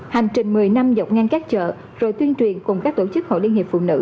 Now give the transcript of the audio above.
hành trình một mươi năm dọc ngang các chợ rồi tuyên truyền cùng các tổ chức hội liên hiệp phụ nữ